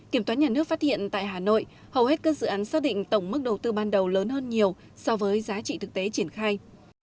kiểm toán nhà nước phát hiện tại hà nội hầu hết các dự án xác định tổng mức đầu tư ban đầu lớn hơn nhiều so với giá trị thực tế triển khai